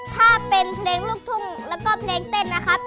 ถ้าเป็นเพลงลูกทุ่งแล้วก็เพลงเต้นนะครับ